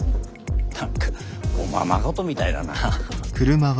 何かおままごとみたいだな。